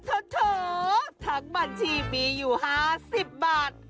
โถทั้งบัญชีมีอยู่๕๐บาท